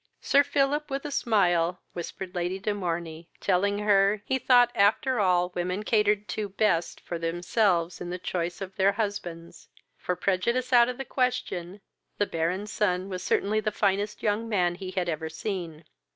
Sir Philip, with a smile, whispered Lady de Morney, telling her, he thought after all women catered to best for themselves in the choice of their husbands: for, prejudice out of the question, the Baron's son was certainly the finest young man he had ever seen.